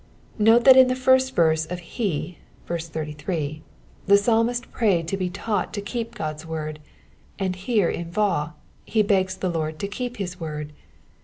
Note that in the first verse of He (83) the Psalmist prayed to be taught to keep Qod^B word, and here in Vau he begs the Lord to keep his word.